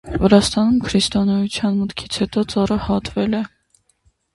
Վրաստանում քրիստոնեության մուտքից հետո ծառը հատվել է։